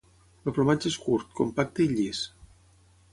El plomatge és curt, compacte i llis.